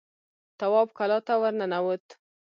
تواب کلا ته ور ننوت.